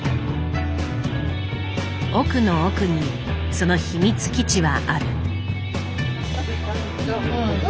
奥の奥にその秘密基地はある。